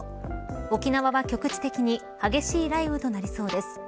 沖縄は局地的に激しい雷雨となりそうです。